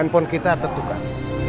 handphone kita tertukan